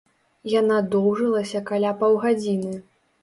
Яна доўжылася каля паўгадзіны.